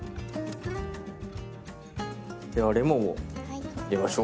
ではレモンを入れましょう。